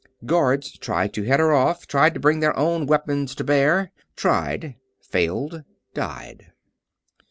Guards tried to head her off; tried to bring their own weapons to bear. Tried failed died.